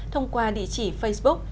thông qua địa chỉ facebook